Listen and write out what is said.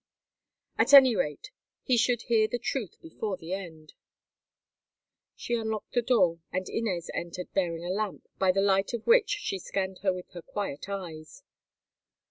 At any rate, he should hear the truth before the end. She unlocked the door, and Inez entered bearing a lamp, by the light of which she scanned her with her quiet eyes.